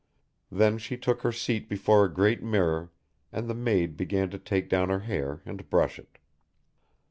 Then she took her seat before a great mirror and the maid began to take down her hair and brush it.